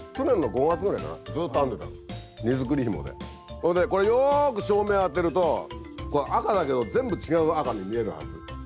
ほいでこれよく照明当てるとこれ赤だけど全部違う赤に見えるはず。